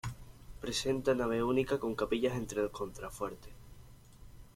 Presenta nave única con capillas entre los contrafuertes.